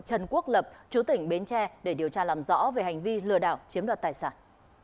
trần quốc lập chủ tỉnh bến tre để điều tra làm rõ về hành vi lừa đảo chiếm đoạt tài sản